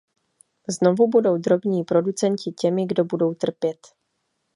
Znovu budou drobní producenti těmi, kdo budou trpět.